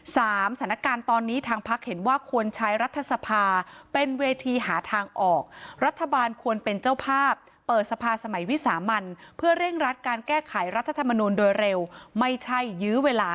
สถานการณ์ตอนนี้ทางพักเห็นว่าควรใช้รัฐสภาเป็นเวทีหาทางออกรัฐบาลควรเป็นเจ้าภาพเปิดสภาสมัยวิสามันเพื่อเร่งรัดการแก้ไขรัฐธรรมนูลโดยเร็วไม่ใช่ยื้อเวลา